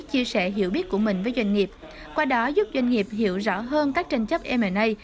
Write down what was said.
chia sẻ hiểu biết của mình với doanh nghiệp qua đó giúp doanh nghiệp hiểu rõ hơn các tranh chấp my